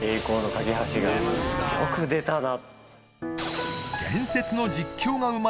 よく出たな！